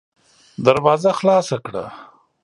دروازه خلاصه کړه!